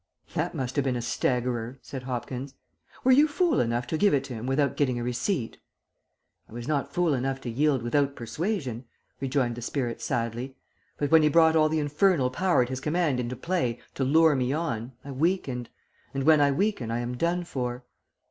_'" "That must have been a staggerer," said Hopkins. "Were you fool enough to give it to him without getting a receipt?" "I was not fool enough to yield without persuasion," rejoined the spirit sadly, "but when he brought all the infernal power at his command into play to lure me on, I weakened, and when I weaken I am done for.